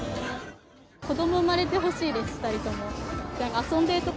子ども産まれてほしいです、２人とも。